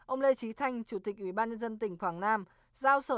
ông lê trí thanh chủ tịch ubnd tỉnh quảng nam giao sở